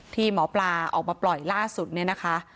ที่หมอปลาออกมาปล่อยล่าสุดเนี่ยนะคะ